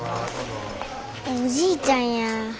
おじいちゃんや。